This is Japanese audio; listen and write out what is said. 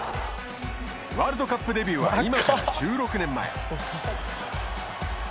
ワールドカップデビューは今から１６年前。